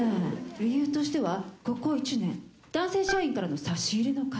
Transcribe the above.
理由としてはここ１年男性社員からの差し入れの数。